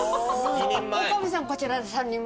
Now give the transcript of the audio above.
岡部さんこちら３人前。